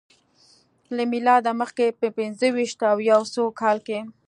له میلاده مخکې په پنځه ویشت او یو سوه کال کې